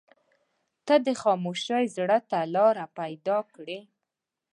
• ته د خاموشۍ زړه ته لاره پیدا کړې.